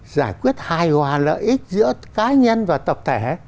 giải quyết hài hòa lợi ích giữa cá nhân và tập thể